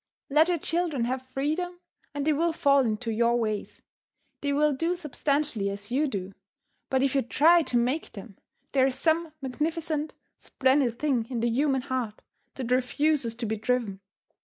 Let your children have freedom and they will fall into your ways; they will do substantially as you do; but if you try to make them, there is some magnificent, splendid thing in the human heart that refuses to be driven.